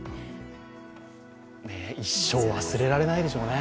一生忘れられないでしょうね。